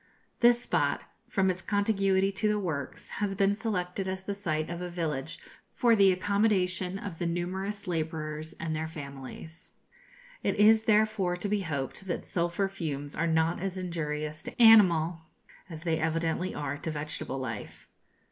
This spot, from its contiguity to the works, has been selected as the site of a village for the accommodation of the numerous labourers and their families. It is therefore to be hoped that sulphur fumes are not as injurious to animal as they evidently are to vegetable life.